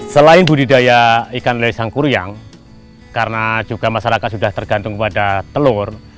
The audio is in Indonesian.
selain budidaya ikan lele sangkuriang karena juga masyarakat sudah tergantung kepada telur